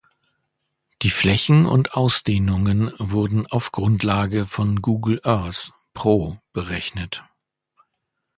Die Flächen und Ausdehnungen wurden auf Grundlage von Google Earth (Pro) berechnet.